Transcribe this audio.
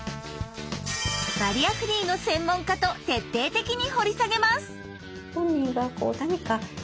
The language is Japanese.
バリアフリーの専門家と徹底的に掘り下げます。